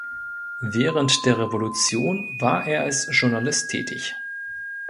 Während der Revolution war er als Journalist tätig.